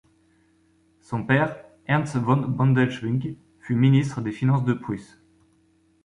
Son père Ernst von Bodelschwingh fut ministre des Finances de Prusse.